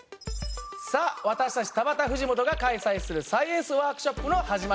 さあ私たち田畑藤本が開催するサイエンスワークショップの始まりです。